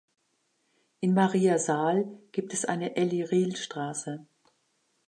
In Maria Saal gibt es eine Elli-Riehl-Straße.